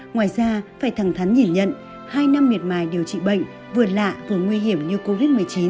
ngoài ra phải thẳng thắn nhìn nhận hai năm miệt mài điều trị bệnh vượt lạ vừa nguy hiểm như covid một mươi chín